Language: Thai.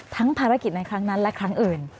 ภารกิจในครั้งนั้นและครั้งอื่น